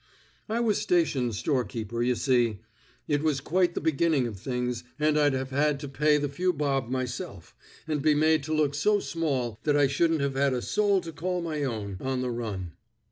I was station storekeeper, you see; it was quite the beginning of things, and I'd have had to pay the few bob myself, and be made to look so small that I shouldn't have had a soul to call my own on the run.